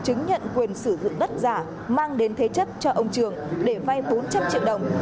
chứng nhận quyền sử dụng đất giả mang đến thế chấp cho ông trường để vay bốn trăm linh triệu đồng